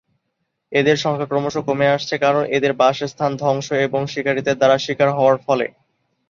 এদের সংখ্যা ক্রমশ কমে আসছে কারণ এদের বাসস্থান ধ্বংস এবং শিকারীদের দ্বারা শিকার হওয়ার ফলে।